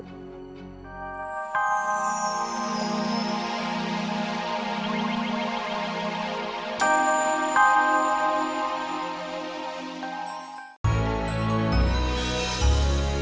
sampai jumpa lagi